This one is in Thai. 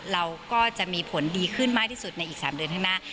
เราก็จะมีผลดีขึ้นมากที่สุดในอีก๓เดือนข้างหน้า